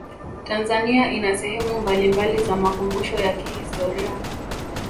tanzania ina sehemu mbalimbali za makumbusho ya kihistoria